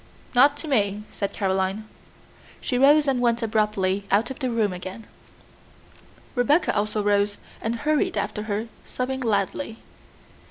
"Not to me," said Caroline. She rose and went abruptly out of the room again. Rebecca also rose and hurried after her, sobbing loudly.